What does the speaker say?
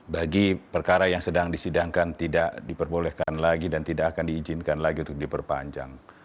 bagi perkara yang sedang disidangkan tidak diperbolehkan lagi dan tidak akan diizinkan lagi untuk diperpanjang